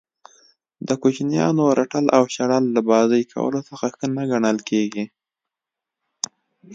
د کوچنیانو رټل او شړل له بازئ کولو څخه ښه نه ګڼل کیږي.